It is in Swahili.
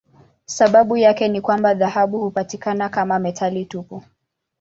Sababu yake ni kwamba dhahabu hupatikana kama metali tupu.